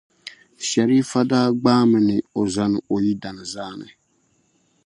Sharifa daa gbaai mi ni o zani o yidana zaani.